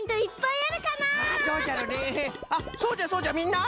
あっそうじゃそうじゃみんな！